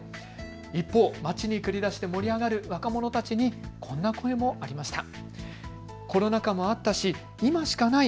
一方、街に繰り出して盛り上がる若者たちにこんな声もありました。